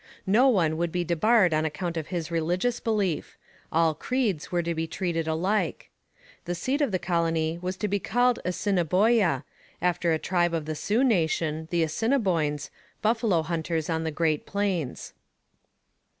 No one would be debarred on account of his religious belief; all creeds were to be treated alike. The seat of the colony was to be called Assiniboia, after a tribe of the Sioux nation, the Assiniboines, buffalo hunters on the Great Plains.